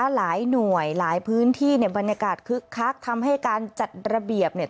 หลายหน่วยหลายพื้นที่เนี่ยบรรยากาศคึกคักทำให้การจัดระเบียบเนี่ย